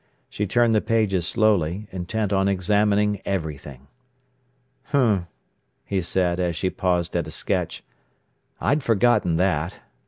She turned the pages slowly, intent on examining everything. "H'm!" he said, as she paused at a sketch. "I'd forgotten that.